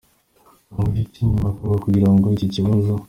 Twamubajije icyo yumva cyakorwa kugira ngo ikibazo.